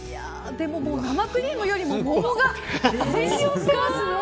でも生クリームよりも桃が占領してますね。